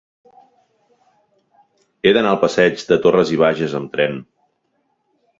He d'anar al passeig de Torras i Bages amb tren.